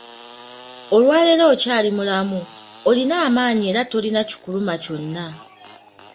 Olwaleero okyali mulamu, olina amaanyi era tolina kikuluma kyonna.